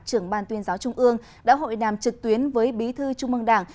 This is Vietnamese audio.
trưởng ban tuyên giáo trung ương đã hội đàm trực tuyến với bí thư trung mương đảng